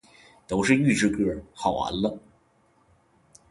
都是预制歌，好完了